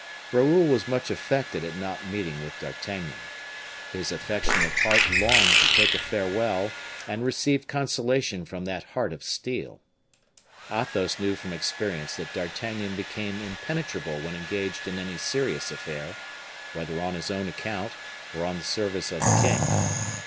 Raoul was much affected at not meeting with D'Artagnan. His affectionate heart longed to take a farewell and received consolation from that heart of steel. Athos knew from experience that D'Artagnan became impenetrable when engaged in any serious affair, whether on his own account or on the service of the king.